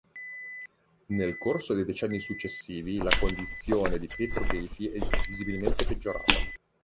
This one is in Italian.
Nel corso dei decenni successivi, la condizione di petroglifi è visibilmente peggiorata.